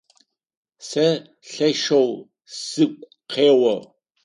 Сэ лъэшэу сыгу къео.